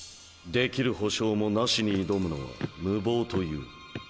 できる保証もなしに挑むのは無謀という。